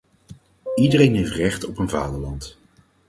Iedereen heeft recht op een vaderland!